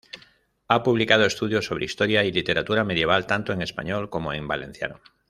Ha publicado estudios sobre historia y literatura medieval, tanto en español como en valenciano.